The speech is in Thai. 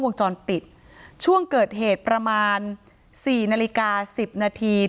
วงจรปิดช่วงเกิดเหตุประมาณสี่นาฬิกาสิบนาที